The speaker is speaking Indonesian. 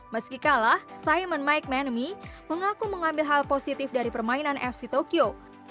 meskikalah simon mike manemy mengaku mengambil hal positif dari permainan fc tokyo